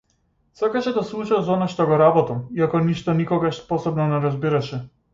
Сакаше да слуша за она што го работам, иако ништо никогаш посебно не разбираше.